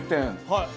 はい。